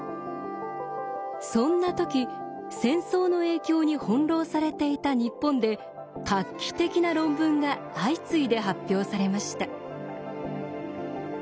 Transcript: そんなとき戦争の影響に翻弄されていた日本で画期的な論文が相次いで発表されました。